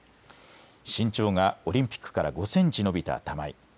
身長がオリンピックから５センチ伸びた玉井。